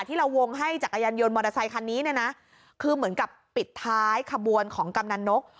ที่เราวงให้จักรยานยนต์มอเตอร์ไซคันนี้เนี่ยนะคือเหมือนกับปิดท้ายขบวนของกำนันนก